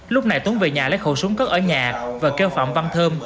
lúc này tuấn về nhà lấy khẩu súng cất ở nhà và kêu phạm văn bản